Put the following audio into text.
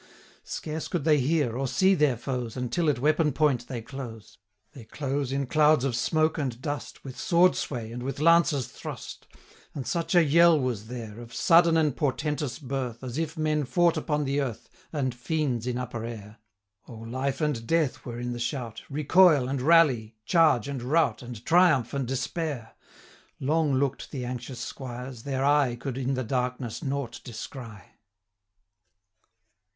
Scarce could they hear, or see their foes, Until at weapon point they close. 760 They close, in clouds of smoke and dust, With sword sway, and with lance's thrust; And such a yell was there, Of sudden and portentous birth, As if men fought upon the earth, 765 And fiends in upper air; Oh, life and death were in the shout, Recoil and rally, charge and rout, And triumph and despair. Long look'd the anxious squires; their eye 770 Could in the darkness nought descry.